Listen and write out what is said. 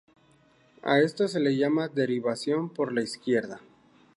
A esto se le llama derivación por la izquierda.